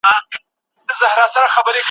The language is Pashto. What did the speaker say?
د حماسي اثارو لپاره باید له سیمي لیدنه وسي.